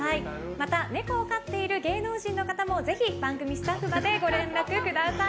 また、ネコを飼っている芸能人の方もぜひ番組スタッフまでご連絡ください。